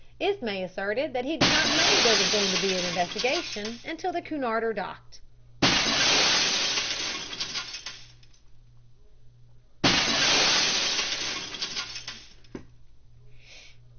Ismay asserted that he did not know there was to be an investigation until the Cunarder docked.